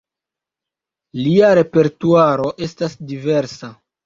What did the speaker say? Lia repertuaro estas diversa.